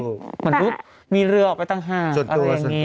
จะมีทริปมีเรือออกไปต่างห่างอะไรอย่างนี้